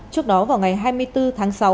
trước đó vào ngày hai mươi bốn tháng sáu